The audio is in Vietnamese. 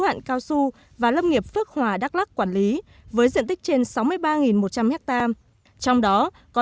hạn cao su và lâm nghiệp phước hòa đắk lắc quản lý với diện tích trên sáu mươi ba một trăm linh ha trong đó có